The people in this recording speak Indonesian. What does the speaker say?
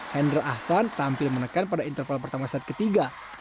hendra ahsan tampil menekan pada interval pertama set ketiga